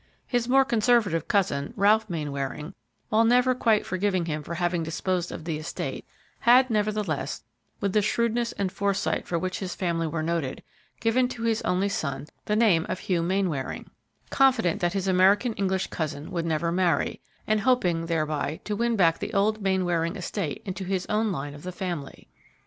His more conservative cousin, Ralph Mainwaring, while never quite forgiving him for having disposed of the estate, had, nevertheless, with the shrewdness and foresight for which his family were noted, given to his only son the name of Hugh Mainwaring, confident that his American English cousin would never marry, and hoping thereby to win back the old Mainwaring estate into his own line of the family.